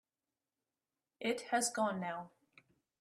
It has gone now.